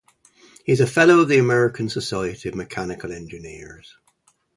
He is a Fellow of the American Society of Mechanical Engineers.